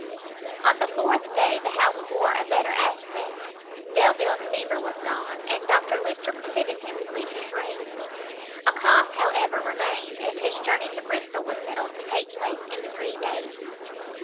On the fourth day the house wore a better aspect; Delvile's fever was gone, and Dr Lyster permitted him to leave his room; a cough, however, remained, and his journey to Bristol was settled to take place in three days.